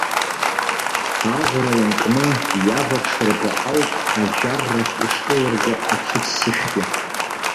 Аӷәра ианкны, иаваҽырбо ауп аџьар рахь ишкылырго аҽыццышәгьы.